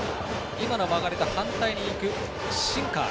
今の曲がりと反対に行くシンカー。